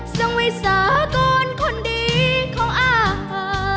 สั่งไว้สากลคนดีของอ้าว